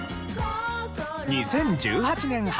２０１８年発売